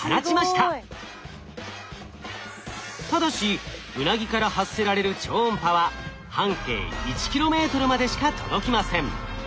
ただしウナギから発せられる超音波は半径１ｋｍまでしか届きません。